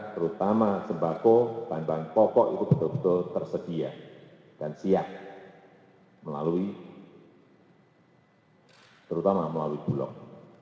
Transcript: terutama sembako bahan bahan pokok itu betul betul tersedia dan siap melalui terutama melalui bulog